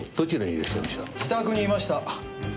自宅にいました。